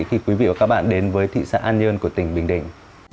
khi quý vị và các bạn đến với thị xã an nhơn của tỉnh bình định